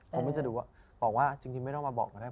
ผมก็จะดูว่าบอกว่าจริงไม่ต้องมาบอกก็ได้